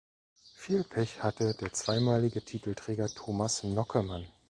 Viel Pech hatte der zweimalige Titelträger Thomas Nockemann.